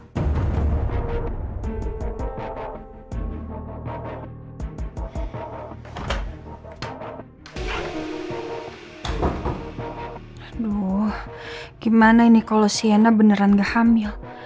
aduh gimana ini kalau sienna beneran gak hamil